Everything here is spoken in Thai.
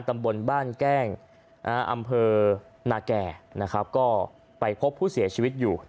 ตำบลบ้านแก้งอำเภอนาแก่นะครับก็ไปพบผู้เสียชีวิตอยู่